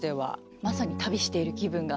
まさに旅している気分が。